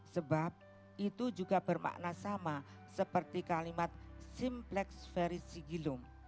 sebab itu juga bermakna sama seperti kalimat simplex verisigilum